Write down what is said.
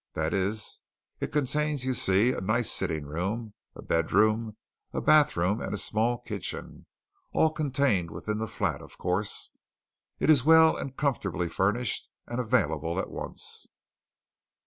That's it it contains, you see, a nice sitting room, a bedroom, a bathroom, and a small kitchen all contained within the flat, of course. It is well and comfortably furnished, and available at once."